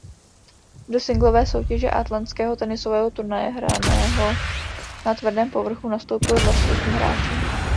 Do singlové soutěže atlantského tenisového turnaje hraného na tvrdém povrchu nastoupilo dvacet osm hráčů.